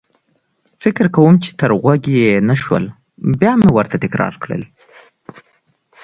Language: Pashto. فکر کوم چې تر غوږ يې نه شول، بیا مې ورته تکرار کړل.